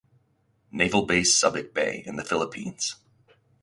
Naval Base Subic Bay in the Philippines.